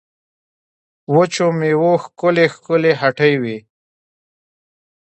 وچو مېوو ښکلې ښکلې هټۍ وې.